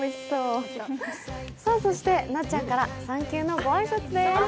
そして、なっちゃんから産休のご挨拶です。